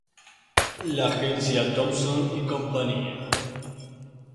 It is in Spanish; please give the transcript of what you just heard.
La agencia Thompson y Cía.